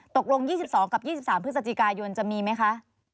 ตกลง๒๒กับ๒๓พฤศจิกายนจะมีไหมคะ